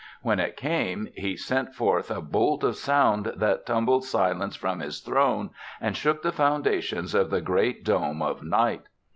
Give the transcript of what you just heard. When it came, he sent forth a bolt of sound that tumbled Silence from his throne and shook the foundations of the great dome of Night.